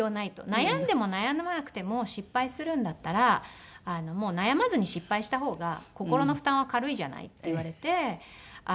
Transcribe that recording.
「悩んでも悩まなくても失敗するんだったら悩まずに失敗した方が心の負担は軽いじゃない」って言われて。